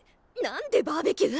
何でバーベキュー？